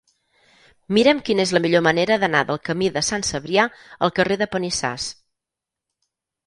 Mira'm quina és la millor manera d'anar del camí de Sant Cebrià al carrer de Panissars.